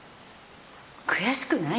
悔しくないの？